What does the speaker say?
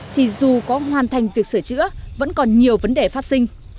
thì dù có hoàn thành việc sửa chữa vẫn còn nhiều vấn đề phát sinh